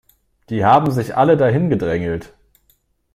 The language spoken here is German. Die haben sich alle da hingedrängelt.